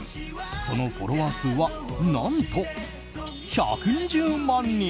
そのフォロワー数は何と１２０万人。